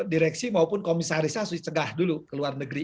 direksi maupun komisarisnya harus dicegah dulu ke luar negeri